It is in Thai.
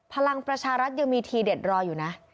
พลังประชารัฐยังมีทีเด็ดรออยู่นะ